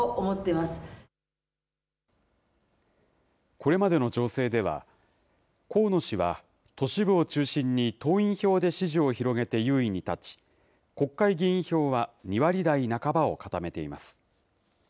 これまでの情勢では、河野氏は都市部を中心に党員票で支持を広げて優位に立ち、国会議員票は２割台半ばを固めています。